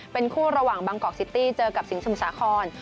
เป็นคู่ระหว่างบางกอกซิตี้เจอกับสิงสมุทรสาคร